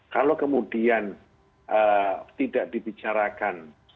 kalau kemudian tidak dibicarakan